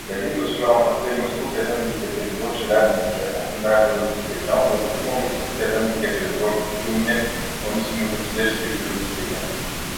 La ligne doit suivre un tracé Moscou-Kazan-Ekaterinbourg-Tcheliabinsk-Astana-Ürümqi-Pékin, ou éventuellement Moscou-Kazan-Ekaterinbourg-Tioumen-Omsk-Novossibirsk-Ürümqi-Pékin.